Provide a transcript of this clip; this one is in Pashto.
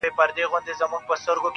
حدِاقل چي ته مي باید پُخلا کړې وای.